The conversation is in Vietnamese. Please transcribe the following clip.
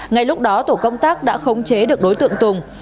ngay lúc đó tổ công tác đã khống chế được đối tượng tùng